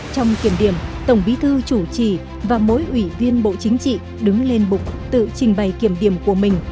trong kiểm điểm tổng bí thư chủ trì và mỗi ủy viên bộ chính trị đứng lên bục tự trình bày kiểm điểm của mình